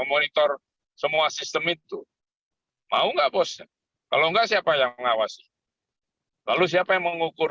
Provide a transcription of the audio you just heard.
monitor semua sistem itu mau nggak bosnya kalau enggak siapa yang mengawasi lalu siapa yang mengukur